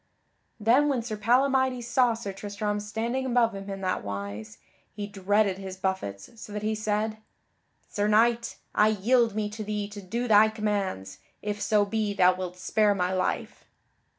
Then when Sir Palamydes saw Sir Tristram standing above him in that wise, he dreaded his buffets so that he said: "Sir Knight, I yield me to thee to do thy commands, if so be thou wilt spare my life."